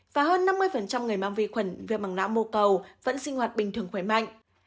và hơn năm mươi người mang vi khuẩn viêm mảng não mô cầu vẫn sinh hoạt bình thường khỏe mạnh